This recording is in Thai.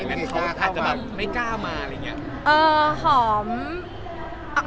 งั้นเขาอาจจะแบบไม่กล้ามาอะไรอย่างนี้